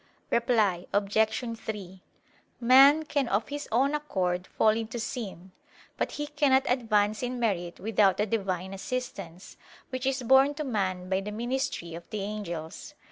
Reply Obj. 3: Man can of his own accord fall into sin: but he cannot advance in merit without the Divine assistance, which is borne to man by the ministry of the angels.